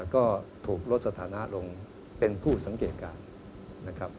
ก็ถูกลดสถานะลงเป็นผู้สังเกตการณ์นะครับ